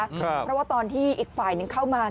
เพราะว่าตอนที่อีกฝ่ายนึงเข้ามา